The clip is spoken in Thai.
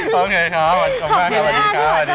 ขอบคุณค่ะทุกคนค่ะ